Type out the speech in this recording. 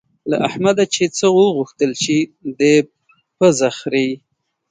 له احمده چې څه وغوښتل شي؛ دی پزه خرېي.